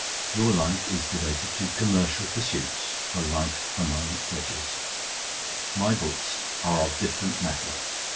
Your life is devoted to commercial pursuits—'A life among Ledgers.' My books are of different metal.